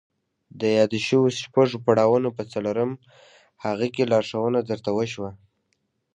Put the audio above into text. د يادو شويو شپږو پړاوونو په څلورم هغه کې لارښوونه درته وشوه.